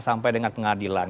sampai dengan pengadilan